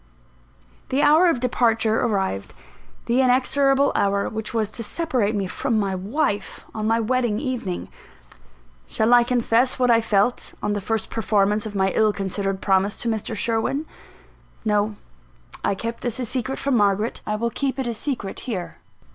The hour of departure arrived; the inexorable hour which was to separate me from my wife on my wedding evening. Shall I confess what I felt, on the first performance of my ill considered promise to Mr. Sherwin? No: I kept this a secret from Margaret; I will keep it a secret here.